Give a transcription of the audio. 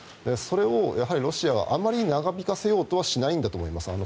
それをロシアがあまり長引かせようとはしていないんだと思います。